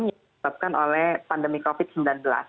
dibutakan oleh pandemi covid sembilan belas